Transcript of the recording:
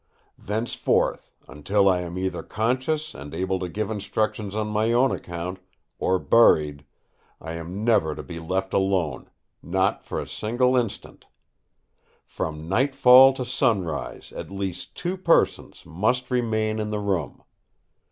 Thenceforth, until I am either conscious and able to give instructions on my own account, or buried, I am never to be left alone—not for a single instant. From nightfall to sunrise at least two persons must remain in the room.